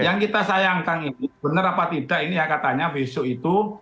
yang kita sayangkan ini benar apa tidak ini ya katanya besok itu